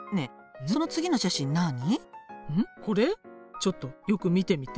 ちょっとよく見てみて。